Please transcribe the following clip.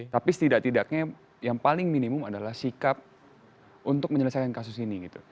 tapi setidak tidaknya yang paling minimum adalah sikap untuk menyelesaikan kasus ini